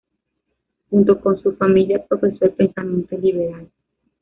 Junto con su familia profesó el pensamiento liberal.